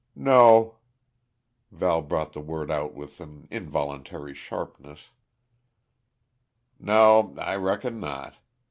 "No." Val brought the word out with an involuntary sharpness. "No, I reckon not.